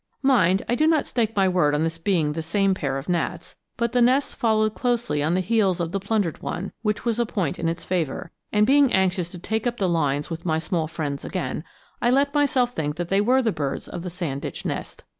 Mind, I do not stake my word on this being the same pair of gnats; but the nest followed closely on the heels of the plundered one, which was a point in its favor, and, being anxious to take up the lines with my small friends again, I let myself think they were the birds of the sand ditch nest.